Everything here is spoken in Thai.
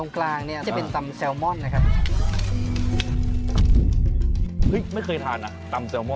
ครบเลยครับ